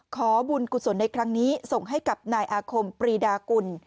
ขอบุญกุศลในครั้งนี้ส่งให้กับนายอาคมปรีดากุล